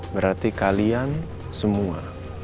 berarti kalian semua